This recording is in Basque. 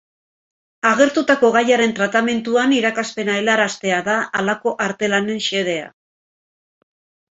Agertutako gaiaren tratamenduan irakaspena helaraztea da halako artelanen xedea.